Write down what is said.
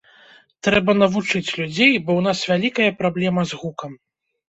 Трэба навучыць людзей, бо ў нас вялікая праблема з гукам.